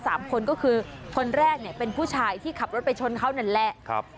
สามคนก็คือคนแรกเนี่ยเป็นผู้ชายที่ขับรถไปชนเขานั่นแหละครับ